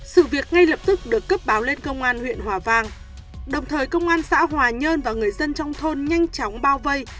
sự việc ngay lập tức được cấp báo lên công an huyện hòa vang đồng thời công an xã hòa nhơn và người dân trong thôn nhanh chóng bao vây